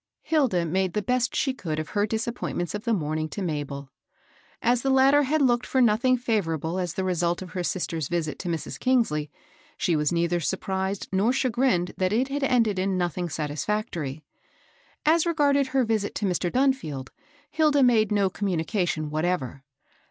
Hilda made the best she could of her disappoint ments of the morning to Mabel. As the latter had looked for nothing &vorable as the result of her sister's visit to Mrs. Kingsley, she was neither surprised nor chagrined that it had exA^^VsL TikSj^t!e> IS 274 MABEL ROSS. ing satisfactory. As regarded her visit to Mr. Dunfield, Hilda made no communication what ever.